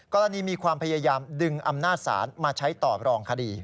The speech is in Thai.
มีความพยายามดึงอำนาจศาลมาใช้ตอบรองคดี